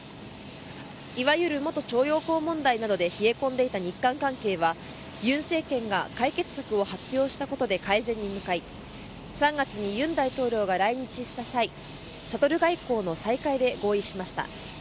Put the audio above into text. いわゆる元徴用工問題などで冷え込んでいた日韓関係は尹政権が解決策を発表したことで改善に向かい３月に尹大統領が来日した際シャトル外交の再開で合意しました。